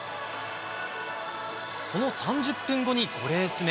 その３０分後に５レース目。